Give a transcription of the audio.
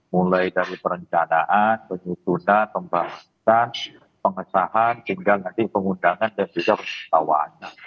mulai dari perencanaan penyusunan pembahasan pengesahan hingga nanti pengundangan dan juga bawaannya